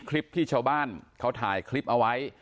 คลิปที่ชาวบ้านเขาถ่ายคลิปเอาไว้